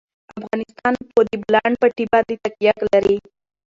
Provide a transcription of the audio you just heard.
افغانستان په د بولان پټي باندې تکیه لري.